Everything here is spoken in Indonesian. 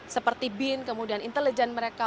seperti bin kemudian intelijen mereka